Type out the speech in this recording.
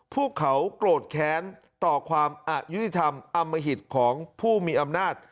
พวกเขาโกรธแค้นต่อความอายุติธรรมอมหิตของผู้มีอำนาจ